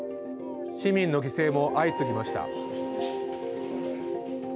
市民の犠牲も相次ぎました。